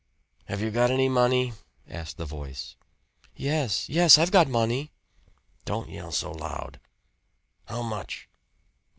"Have you got any money?" asked the voice. "Yes. Yes I've got money." "Don't yell so loud. How much?"